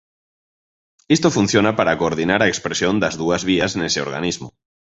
Isto funciona para coordinar a expresión das dúas vías nese organismo.